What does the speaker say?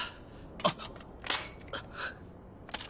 あっ。